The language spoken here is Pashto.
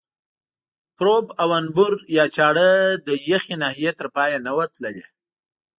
پروب او انبور یا چاړه د یخې ناحیې تر پایه نه وه تللې.